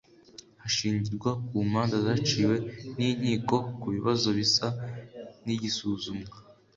hashingirwa ku manza zaciwe n’Inkiko ku bibazo bisa n’igisuzumwa